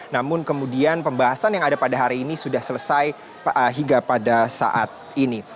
namun kemudian pembahasan yang ada pada hari ini sudah selesai hingga pada saat ini